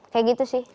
kayak gitu sih